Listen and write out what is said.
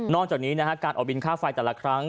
จากนี้การออกบินค่าไฟแต่ละครั้ง